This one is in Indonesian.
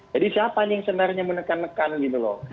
jadi siapa nih yang sebenarnya menekan nekan gitu loh